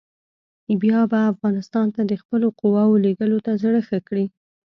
بیا به افغانستان ته د خپلو قواوو لېږلو ته زړه ښه کړي.